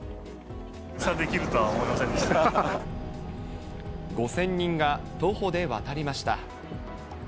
封鎖できるとは思いませんで５０００人が徒歩で渡りました。